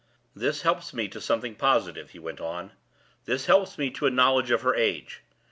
"This helps me to something positive," he went on; "this helps me to a knowledge of her age.